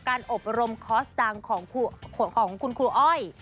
การอบรมคอล์สดังของข่วงของคุณครูอ้อย